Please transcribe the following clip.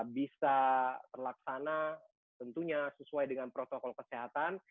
bisa terlaksana tentunya sesuai dengan protokol kesehatan